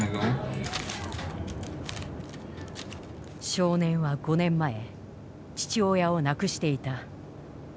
少年は５年前父親を亡くしていた。